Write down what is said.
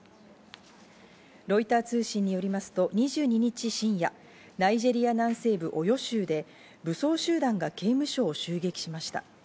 ロイター通信によりますと、２２日深夜、ナイジェリア南西部オヨ州で武装集団が刑務所を襲撃しました。